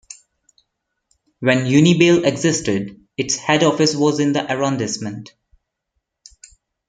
When Unibail existed, its head office was in the arrondissement.